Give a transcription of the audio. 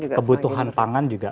otomatis kebutuhan pangan juga